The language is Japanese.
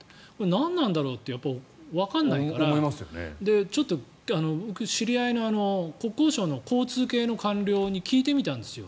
何なんだろうってわからないからちょっと僕、知り合いの国交省の交通系の官僚に聞いてみたんですよ。